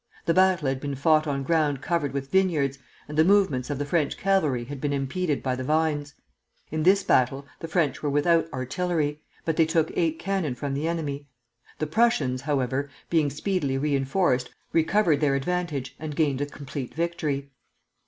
The battle had been fought on ground covered with vineyards, and the movements of the French cavalry had been impeded by the vines. In this battle the French were without artillery, but they took eight cannon from the enemy. The Prussians, however, being speedily reinforced, recovered their advantage and gained a complete victory.